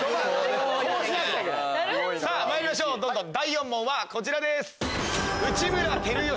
さぁまいりましょう第４問はこちらです。